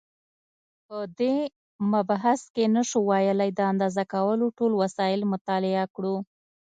په دې مبحث کې نشو کولای د اندازه کولو ټول وسایل مطالعه کړو.